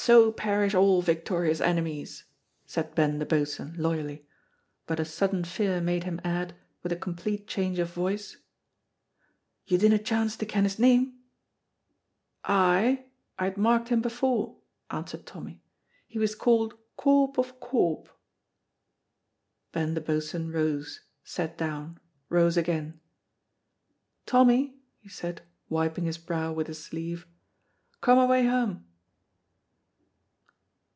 "So perish all Victoria's enemies," said Ben the Boatswain, loyally, but a sudden fear made him add, with a complete change of voice, "You dinna chance to ken his name?" "Ay, I had marked him before," answered Tommy, "he was called Corp of Corp." Ben the Boatswain rose, sat down, rose again, "Tommy," he said, wiping his brow with his sleeve, "come awa' hame!"